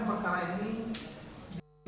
di peradilan yang lebih terutama